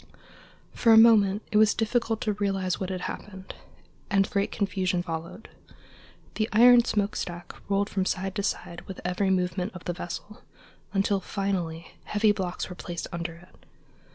For a moment it was difficult to realize what had happened, and great confusion followed. The iron smokestack rolled from side to side with every movement of the vessel, until finally heavy blocks were placed under it.